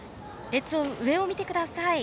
列の上を見てください。